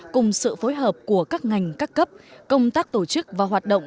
cùng sự phối hợp của các ngành các cấp công tác tổ chức và hoạt động